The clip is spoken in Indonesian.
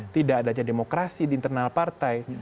tidak adanya demokrasi di internal partai